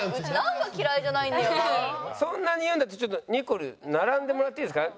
そんなに言うんだったらちょっとニコル並んでもらっていいですか？